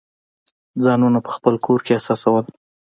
ځانونه په خپل کور کې احساسول.